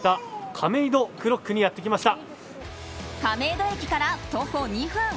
亀戸駅から徒歩２分